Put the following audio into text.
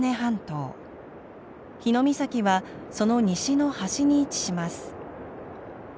日御碕はその西の端に位置します。